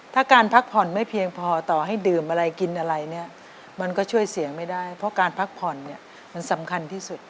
ถ้าการพักผ่อนไม่เพียงพอต่อให้ดื่มอะไรกินอะไรเนี่ยมันก็ช่วยเสียงไม่ได้เพราะการพักผ่อนเนี่ยมันสำคัญที่สุด